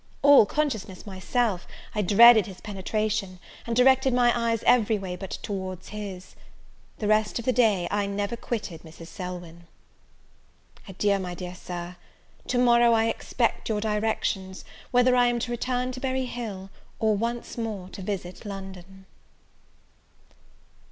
All consciousness myself, I dreaded his penetration, and directed mine every way but towards his. The rest of the day I never quitted Mrs. Selwyn. Adieu, my dear Sir: to morrow I expect your directions, whether I am to return to Berry Hill, or once more to visit London.